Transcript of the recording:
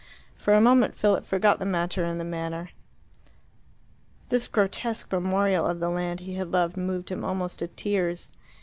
For a moment Philip forgot the matter in the manner; this grotesque memorial of the land he had loved moved him almost to tears.